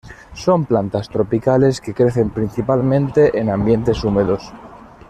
Son plantas tropicales que crecen principalmente en ambientes húmedos.